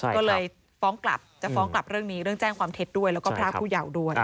ก็เลยฟ้องกลับจะฟ้องกลับเรื่องนี้เรื่องแจ้งความเท็จด้วยแล้วก็พระผู้เยาว์ด้วย